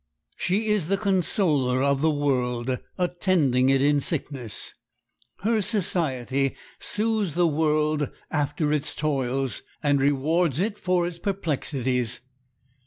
She is the consoler of the world, attending it in sickness; her society soothes the world after its toils, and rewards it for its perplexities.